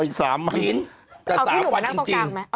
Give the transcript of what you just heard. นี่นุ่มนี่นุ่ม